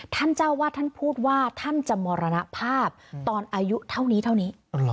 ท่านเจ้าวาดท่านพูดว่าท่านจะมรณภาพตอนอายุเท่านี้เท่านี้